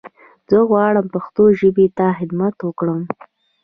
زه غواړم پښتو ژبې ته خدمت وکړم.